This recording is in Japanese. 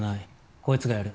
こいつがやる。